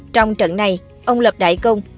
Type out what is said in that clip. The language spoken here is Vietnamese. trong trận này ông lập đại công